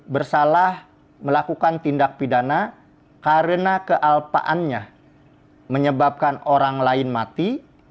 bersalah melakukan tindak pidana karena kealpaannya menyebabkan orang lain mati